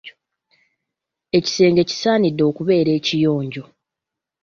Ekisenge kisaanidde okubeera ekiyonjo.